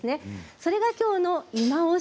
それが今日のいまオシ！